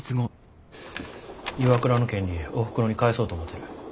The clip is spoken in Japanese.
ＩＷＡＫＵＲＡの権利おふくろに返そと思ってる。